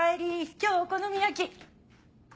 今日お好み焼き。